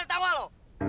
tau gak lo